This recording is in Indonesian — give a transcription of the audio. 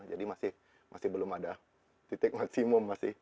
jadi masih belum ada titik maksimum masih